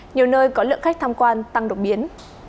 nhiều nơi có lượng khách tham quan tăng đột biến